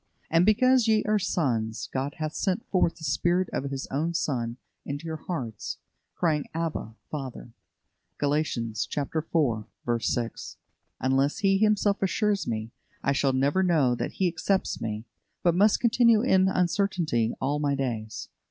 "And because ye are sons, God hath sent forth the Spirit of His Son into your hearts, crying, Abba, Father" (Gal. iv. 6). Unless He Himself assures me, I shall never know that He accepts me, but must continue in uncertainty all my days.